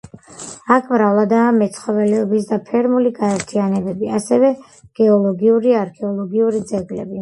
აქ მრავლადაა მეცხოველეობისა და ფერმერული გაერთიანებები, ასევე გეოლოგიური და არქეოლოგიური ძეგლები.